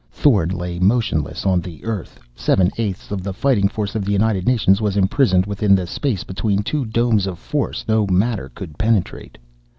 Thorn lay motionless on the earth. Seven eighths of the fighting force of the United Nations was imprisoned within the space between two domes of force no matter could penetrate.